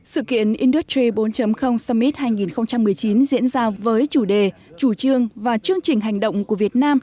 sự kiện indostry bốn summit hai nghìn một mươi chín diễn ra với chủ đề chủ trương và chương trình hành động của việt nam